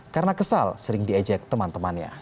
karena kesal sering diejek teman temannya